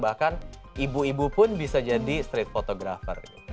bahkan ibu ibu pun bisa jadi street photographer